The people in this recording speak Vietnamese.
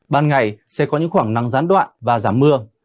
ban ngày sẽ có những khoảng nắng gián đoạn và giảm mưa